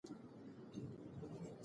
مینه مه سړوه او خپل کار ته دوام ورکړه.